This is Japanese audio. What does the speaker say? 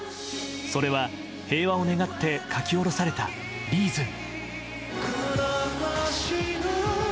それは平和を願って書き下ろされた「Ｒｅａｓｏｎ」。